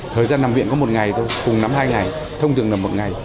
thời gian nằm viện có một ngày thôi cùng năm hai ngày thông thường là một ngày